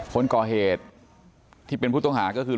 คนก่อเหตุที่เป็นผู้ต้องหาก็คือ